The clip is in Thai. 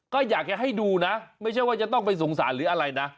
ก็อยากจะให้ดูนะไม่ใช่ว่าจะต้องไปสงสารหรืออะไรนะ